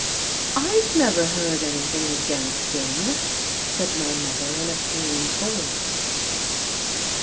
"I've never heard anything against him," said my mother in a pained voice.